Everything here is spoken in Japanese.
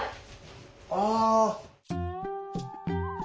ああ。